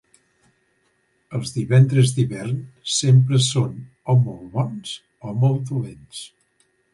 Els divendres d'hivern sempre són o molt bons o molt dolents.